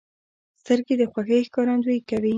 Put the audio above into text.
سترګې د خوښۍ ښکارندویي کوي